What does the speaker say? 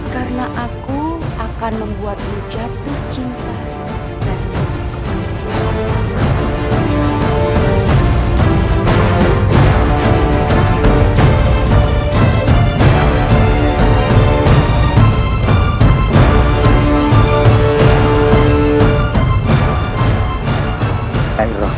karena aku akan membuat lu jatuh